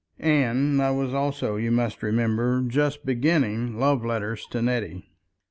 _" And I was also, you must remember, just beginning love letters to Nettie.